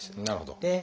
なるほど。